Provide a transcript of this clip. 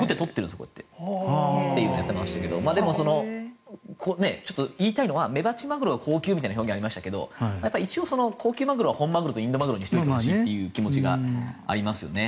そういうのをやってましたが言いたいのはメバチマグロが高級みたいな表現がありましたけど高級マグロは本マグロとインドマグロにしておいてほしいという気持ちがありますね。